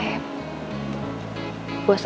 jadi anak buah bos saya